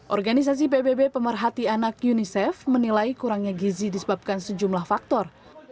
organisasi pbb pemerhati anak unicef menilai kurangnya gizi disebabkan sejumlah faktor